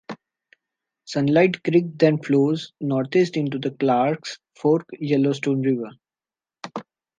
Sunlight Creek then flows northeast into the Clarks Fork Yellowstone River.